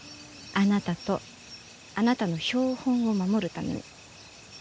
あなたとあなたの標本を守るために。